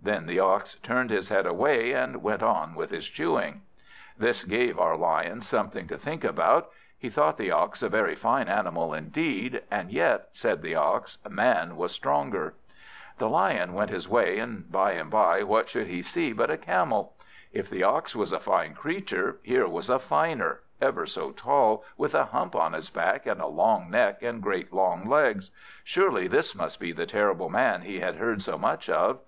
Then the Ox turned his head away, and went on with his chewing. This gave our Lion something to think about. He thought the Ox a very fine animal indeed, and yet, said the Ox, Man was stronger. The Lion went his ways, and by and by, what should he see but a Camel. If the Ox was a fine creature, here was a finer; ever so tall, with a hump on his back, and a long neck, and great long legs. Surely this must be the terrible Man he had heard so much of.